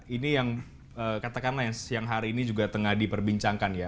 ini yang katakanlah yang siang hari ini juga tengah diperbincangkan ya